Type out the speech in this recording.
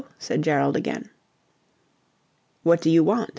said Gerald again. "What do you want?"